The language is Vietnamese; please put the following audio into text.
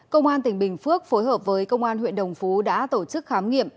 công an tỉnh bình phước phối hợp với công an huyện đồng phú đã tổ chức khám nghiệm